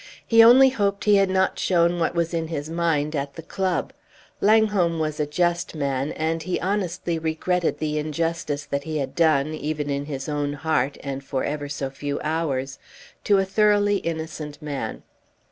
He only hoped he had not shown what was in his mind at the club. Langholm was a just man, and he honestly regretted the injustice that he had done, even in his own heart, and for ever so few hours, to a thoroughly innocent man.